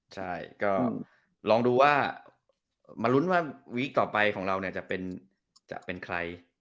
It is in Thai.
ใช่ก็ลองดูว่ามารุ้นว่าวิสดคอน์ต่อไปของเราจะเป็นใคร